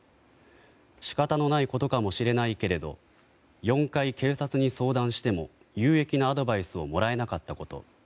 仕方のないことかもしれないけれど４回警察に相談しても有益なアドバイスをもらえなかったこと。